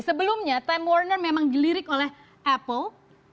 sebelumnya time warner memang dilirik oleh apple